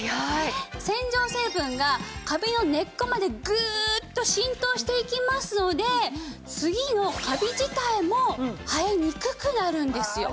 洗浄成分がカビの根っこまでグーッと浸透していきますので次のカビ自体も生えにくくなるんですよ。